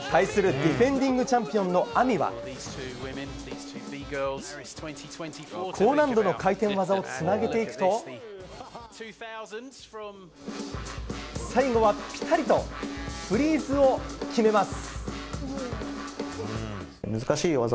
ディフェンディングチャンピオン亜美は高難度の回転技をつなげていくと最後は、ぴたりとフリーズを決めます。